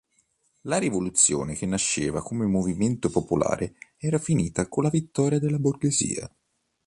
La rivoluzione che nasceva come movimento popolare era finita con la vittoria della borghesia.